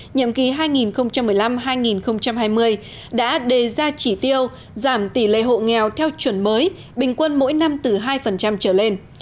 nhiệm kỳ hai nghìn một mươi năm hai nghìn hai mươi đã đề ra chỉ tiêu giảm tỷ lệ hộ nghèo theo chuẩn mới bình quân mỗi năm từ hai trở lên